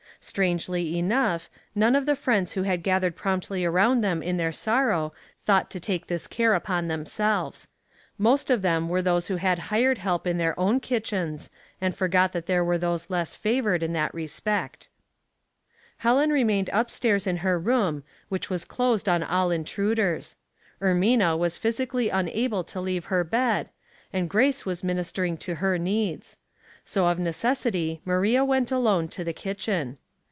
Strangely enough, none of the friends who had gathered promptly around them in their sorrow thought to take this care upon themselves. Most of them were those who had hired help in their own 88 90 Household Puzzles, kitchens, and forgot that there were those less favored in that respect. Helen remained up stairs in her room, which was closed on all intruders. Ermina was phys ically unable to leave her bed, and Grace was ministering to her needs ; so, of necessity, Maria went alone to the kitchen.